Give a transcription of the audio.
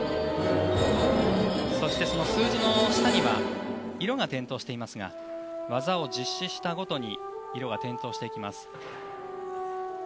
そして、その数字の下に色が点灯していますが技を実施したごとに色が点灯してきます。